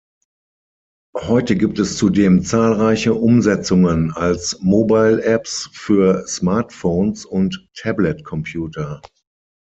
Heute gibt es zudem zahlreiche Umsetzungen als Mobile Apps für Smart Phones und Tabletcomputer.